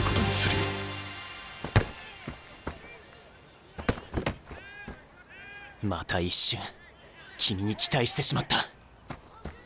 心の声また一瞬君に期待してしまった！